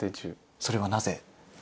それはなぜ？